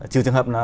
trừ trường hợp là